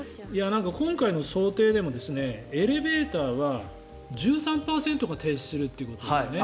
今回の想定でも、エレベーターは１３％が停止するということですよね。